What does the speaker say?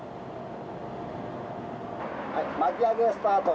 はい巻き上げスタート。